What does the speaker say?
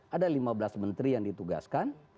ada lima belas menteri yang ditugaskan